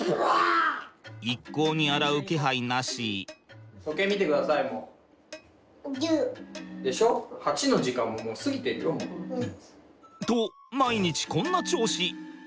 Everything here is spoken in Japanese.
一向に洗う気配なし。と毎日こんな調子。